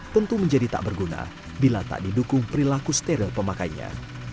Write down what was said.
tentu menjadi tak berguna bila tak didukung perilaku steril pemakainya